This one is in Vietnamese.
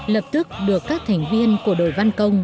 lập tức được các thành viên của đội văn công